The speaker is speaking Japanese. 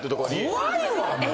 怖いわもう。